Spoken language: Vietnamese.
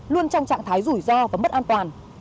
luôn trong trạng thái rủi ro và mất an toàn